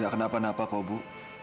gak kenapa napa kok ibu